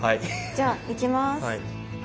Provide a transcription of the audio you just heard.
じゃあいきます！